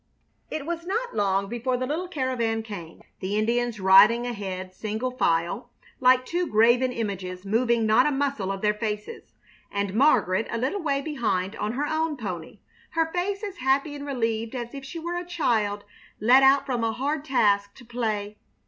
It was not long before the little caravan came, the Indians riding ahead single file, like two graven images, moving not a muscle of their faces, and Margaret a little way behind on her own pony, her face as happy and relieved as if she were a child let out from a hard task to play.